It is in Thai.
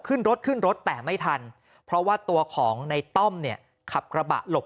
ขึ้นรถขึ้นรถแต่ไม่ทันเพราะว่าตัวของในต้อมเนี่ยขับกระบะหลบ